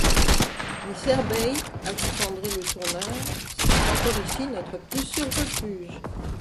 Miss Herbey, ajoute André Letourneur, c’est encore ici notre plus sûr refuge.